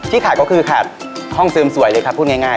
ขาดก็คือขาดห้องเสริมสวยเลยครับพูดง่าย